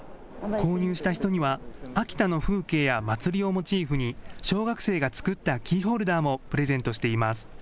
購入した人には、秋田の風景や祭りをモチーフに、小学生が作ったキーホルダーもプレゼントしています。